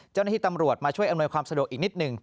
เจ้าหน้าที่ตำรวจมาช่วยอำนวยความสะดวกอีกนิดหนึ่ง